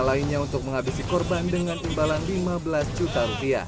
salah satunya untuk menghabisi korban dengan imbalan rp lima belas juta